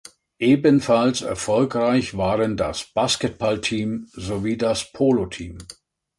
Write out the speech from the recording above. Ebenfalls erfolgreich waren das Basketballteam sowie das Polo-Team.